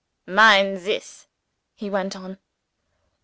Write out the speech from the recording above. "Mind this!" he went on.